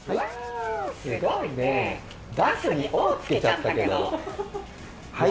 すごいね、出すに「お」をつけちゃったけど。